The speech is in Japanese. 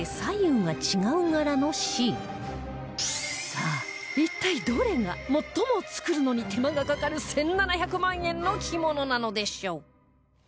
さあ一体どれが最も作るのに手間がかかる１７００万円の着物なのでしょう？